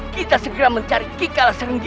kita segera mencari kikalas renggi